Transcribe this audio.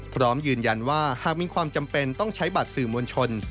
พร้อมยืนยันว่าหากมีความจำเป็นต้องใช้บัตรสื่อมวลชน